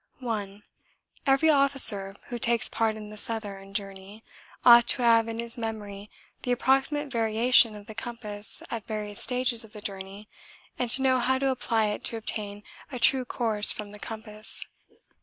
1. Every officer who takes part in the Southern Journey ought to have in his memory the approximate variation of the compass at various stages of the journey and to know how to apply it to obtain a true course from the compass.